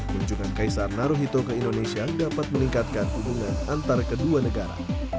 kunjungan kaisar naruhito ke indonesia dapat meningkatkan hubungan antara kedua negara